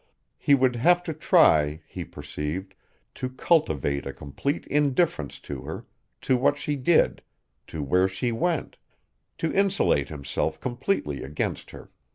He would have to try, he perceived, to cultivate a complete indifference to her, to what she did, to where she went, to insulate himself completely against her.